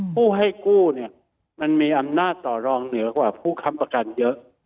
ผู้ให้กู้เนี่ยมันมีอำนาจต่อรองเหนือกว่าผู้ค้ำประกันเยอะ